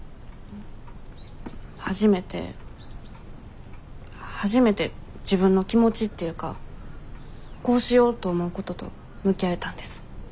初めて初めて自分の気持ちっていうか「こうしよう！」と思うことと向き合えたんです。